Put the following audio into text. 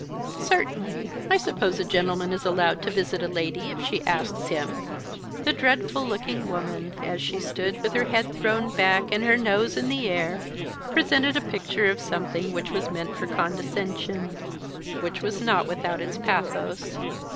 "Certainly. I suppose a gentleman is allowed to visit a lady if she asks him." The dreadful looking woman, as she stood with her head thrown back, and her nose in the air, presented a picture of something which was meant for condescension, which was not without its pathos.